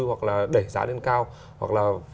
hoặc là đẩy giá lên cao